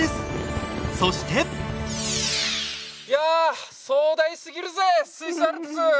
いやあ壮大すぎるぜ、スイスアルプス。